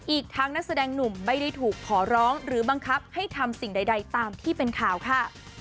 อีกทั้งนักแสดงหนุ่มไม่ได้ถูกขอร้องหรือบังคับให้ทำสิ่งใดตามที่เป็นข่าวค่ะ